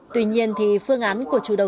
tuy nhiên thì phương án của chủ đầu tư